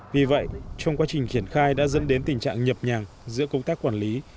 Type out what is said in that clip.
vì vậy trong quá trình triển khai đã dẫn đến tình trạng nhập nhàng giữa công tác quản lý